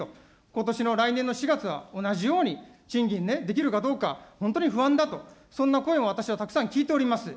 ことしの、来年の４月は同じように賃金ね、できるかどうか、本当に不安だと、そんな声も私はたくさん聞いております。